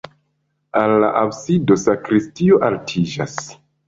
Al la absido sakristio aliĝas.